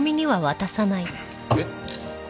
えっ？